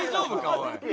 おい。